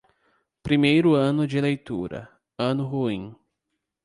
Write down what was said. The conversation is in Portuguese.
Primeiro ano de leitura, ano ruim.